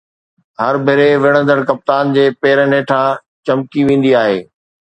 هر ڀيري وڙهندڙ ڪپتان جي پيرن هيٺان چمڪي ويندي آهي.